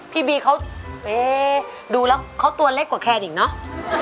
พี่บีเขาดูแล้วเขาตัวเล็กกว่าแคนอีกเนอะ